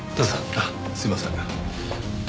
ああすいません。